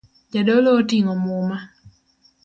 Jadolo oting'o muma